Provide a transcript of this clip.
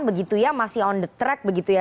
begitu ya masih on the track begitu ya